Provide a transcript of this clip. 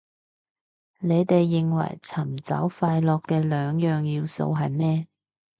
你哋認為尋找快樂嘅兩個要素係咩